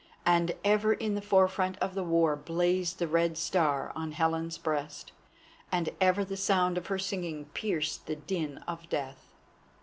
And ever in the forefront of the war blazed the Red Star on Helen's breast, and ever the sound of her singing pierced the din of death.